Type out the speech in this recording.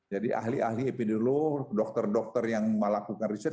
jadi ahli ahli epidemiologi dokter dokter yang melakukan penelitian